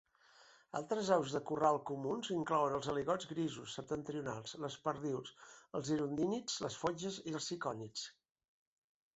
Altres aus de corral comuns inclouen els aligots grisos septentrionals, les perdius, els hirundínids, les fotges i els cicònids.